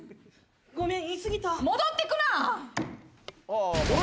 ごめん言い過ぎた戻ってくな！